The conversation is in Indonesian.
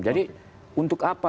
jadi untuk apa